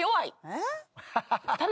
えっ？